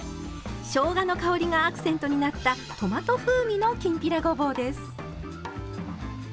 しょうがの香りがアクセントになったトマト風味のきんぴらごぼうです。